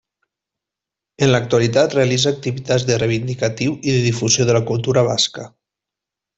En l'actualitat realitza activitats de reivindicatiu i de difusió de la cultura basca.